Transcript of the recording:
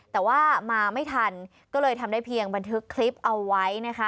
แต่ว่ามาไม่ทันก็เลยทำได้เพียงบันทึกคลิปเอาไว้นะคะ